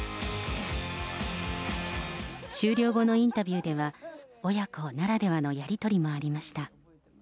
終了後のインタビューでは、親子ならではのやり取りもありました。